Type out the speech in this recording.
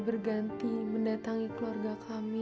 berganti mendatangi keluarga kami